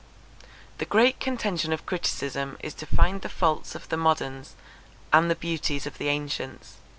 The great contention of criticism is to find the faults of the moderns and the beauties of the ancients.